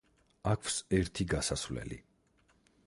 აქვს ერთი გასასვლელი.